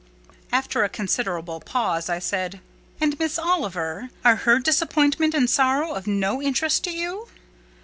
After a considerable pause, I said—"And Miss Oliver? Are her disappointment and sorrow of no interest to you?"